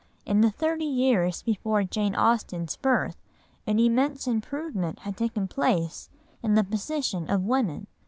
In the thirty years before Jane Austen's birth an immense improvement had taken place in the position of women.